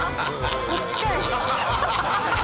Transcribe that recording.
そっちかい。